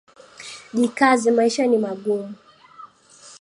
Jikaze maisha ni magumu